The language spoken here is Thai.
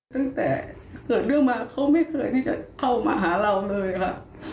ตั้งแต่เกิดเรื่องมาเขาไม่เคยที่จะเข้ามาหาเราเลยค่ะ